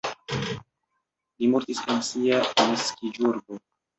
Li mortis en sia naskiĝurbo.